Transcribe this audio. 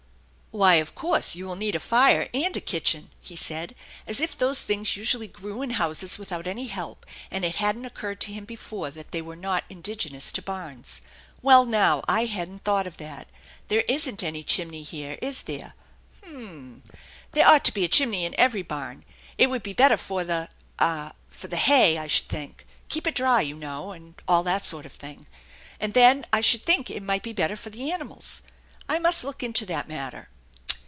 " Why, of course you will need a fire and a kitchen," he said as if those things usually grew in houses without any help and it hadn't occurred to him before that they were not indigenous to barns. "Well, now, I hadn't thought of that. There isn't any chimney here, is there ? H'm ! There ought to be a chimney in every barn. It would be better for the ah for the ha^, I should think; keep it dry, you know, and all that sort of thing. And then I should think it might be better for the animals. I must look into that matter."